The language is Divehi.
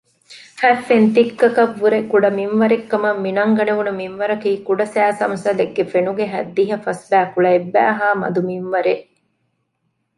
ހަތް ފެންތިއްކަކަށްވުރެ ކުޑަ މިންވަރެއްކަމަށް މިނަންގަނެވުނު މިންވަރަކީ ކުޑަ ސައިސަމްސަލެއްގެ ފެނުގެ ހަތްދިހަ ފަސްބައިކުޅަ އެއްބައިހާ މަދު މިންވަރެއް